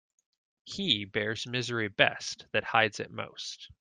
He bears misery best that hides it most.